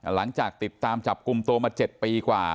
หลังจากติดตามจับกลุ่มตัวมา๗ปีกว่า